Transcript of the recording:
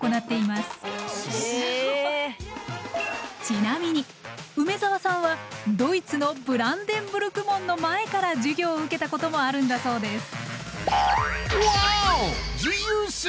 ちなみに梅澤さんはドイツのブランデンブルク門の前から授業を受けたこともあるんだそうです。